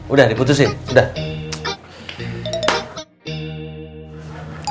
udah diputusin udah